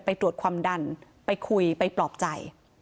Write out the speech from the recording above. ไปตรวจความดันไปคุยไปปลอบใจ